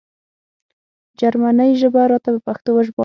جرمنۍ ژبه راته په پښتو وژباړه